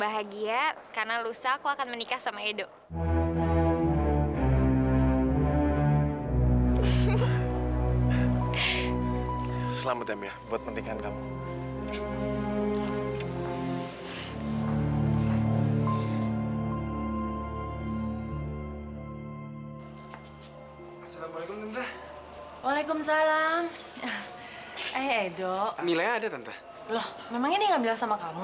assalamualaikum waalaikumsalam eh doa milih ada tenta loh memangnya nggak bilang sama kamu